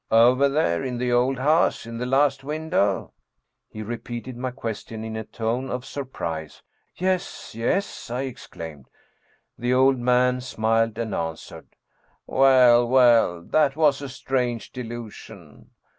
" Over there? In the old house in the last window?" He repeated my questions in a tone of surprise. " Yes, yes," I exclaimed. The old man smiled and answered :" Well, well, that was a strange delusion.